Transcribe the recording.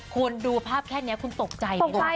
คุณดูภาพแค่นี้คุณตกใจไหมล่ะ